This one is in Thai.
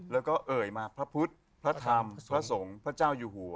แล้วก็เอ่ยมาพระพุทธพระธรรมพระสงฆ์พระเจ้าอยู่หัว